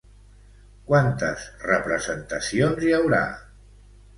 Quantes representacions hi haurà?